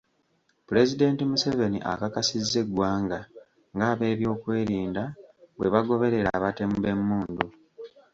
Pulezidenti Museveni akakasizza eggwanga ng’abeebyokwerinda bwe bagoberera abatemu b’emmundu.